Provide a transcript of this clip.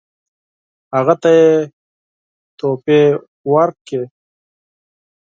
هغه ته تحفې ورکړل.